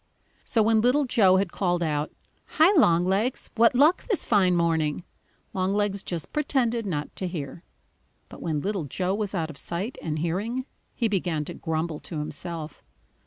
So when Little Joe had called out: "Hi, Longlegs, what luck this fine morning?" Longlegs just pretended not to hear. But when Little Joe was out of sight and hearing, he began to grumble to himself.